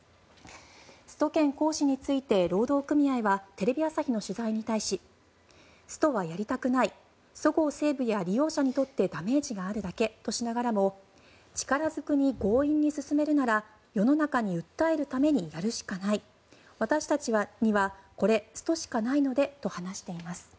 スト権行使について労働組合はテレビ朝日の取材に対しストはやりたくないそごう・西武や利用者にとってダメージがあるだけとしながらも力ずくに強引に進めるなら世の中に訴えるためにやるしかない私たちにはこれ、ストしかないのでと話しています。